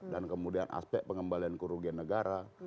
dan kemudian aspek pengembalian kerugian negara